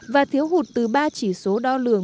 và thiếu hụt từ ba chỉ số đo lường